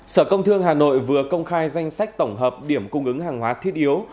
sở công thương hà nội vừa công khai danh sách tổng hợp điểm cung ứng hàng hóa thiết yếu